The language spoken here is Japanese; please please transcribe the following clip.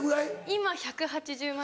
今１８０万人。